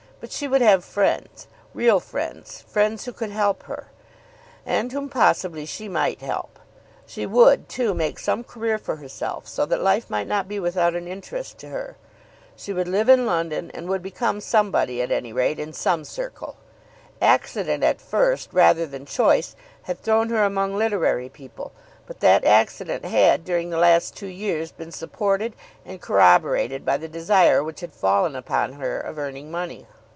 But she would have friends, real friends; friends who could help her, and whom possibly she might help. She would, too, make some career for herself, so that life might not be without an interest to her. She would live in London, and would become somebody at any rate in some circle. Accident at first rather than choice had thrown her among literary people, but that accident had, during the last two years, been supported and corroborated by the desire which had fallen upon her of earning money.